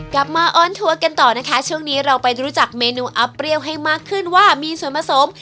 มาออนทัวร์กันต่อนะคะช่วงนี้เราไปรู้จักเมนูอัพเปรี้ยวให้มากขึ้นว่ามีส่วนผสม